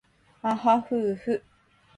あはふうふ